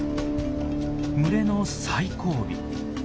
群れの最後尾。